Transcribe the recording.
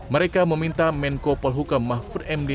mereka meminta menko polhuka mahfud md